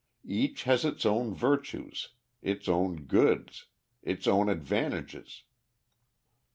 Each has its own virtues, its own "goods," its own advantages.